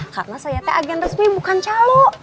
karena saya teh agen resmi bukan calo